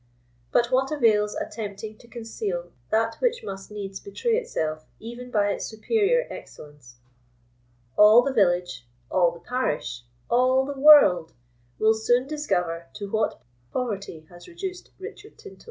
But what avails attempting to conceal that which must needs betray itself even by its superior excellence? All the village—all the parish—all the world—will soon discover to what poverty has reduced Richard Tinto."